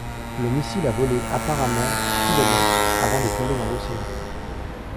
Le missile a volé apparemment km avant de tomber dans l'océan.